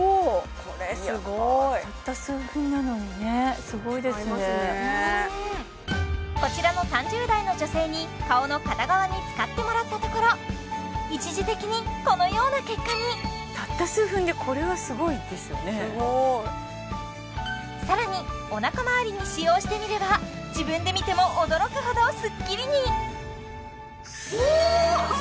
これすごいたった数分なのにねすごいですねこちらの３０代の女性に顔の片側に使ってもらったところ一時的にこのような結果にたった数分でこれはすごいですよね更におなかまわりに使用してみれば自分で見ても驚くほどスッキリにお！